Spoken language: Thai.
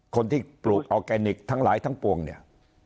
คนที่ปลูกออร์แกนิคทั้งหลายทั้งปวงเนี่ย